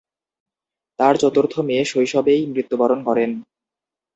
তার চতুর্থ মেয়ে শৈশবেই মৃত্যুবরণ করেন।